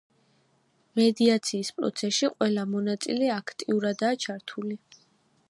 მედიაციის პროცესში ყველა მონაწილე აქტიურადაა ჩართული.